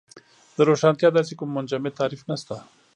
د روښانتیا داسې کوم منجمد تعریف نشته.